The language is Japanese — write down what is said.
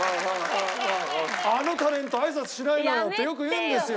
「あのタレント挨拶しないのよ」ってよく言うんですよ。